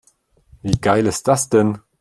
Wie geil ist das denn?